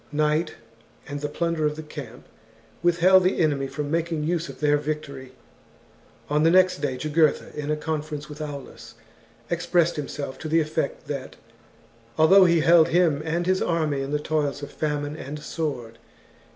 Night, and the plunder of the camp, withheld the enemy from making use of their victory. On the next day, Jugurtha, in a conference with Aulus, expressed himself to the effect that, although he held THE JUGURTHINE WAR. 16$ him and his army in the toils of famine and sword, he chap.